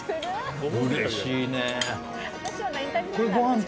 うれしいね。